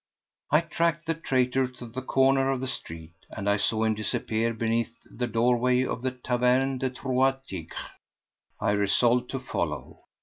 I tracked the traitor to the corner of the street, and saw him disappear beneath the doorway of the Taverne des Trois Tigres. I resolved to follow.